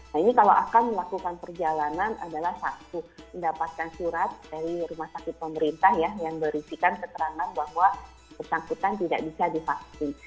nah ini kalau akan melakukan perjalanan adalah satu mendapatkan surat dari rumah sakit pemerintah ya yang berisikan keterangan bahwa bersangkutan tidak bisa divaksin